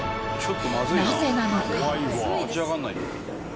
［なぜなのか？］